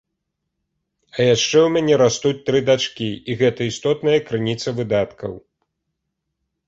А яшчэ ў мяне растуць тры дачкі, і гэта істотная крыніца выдаткаў.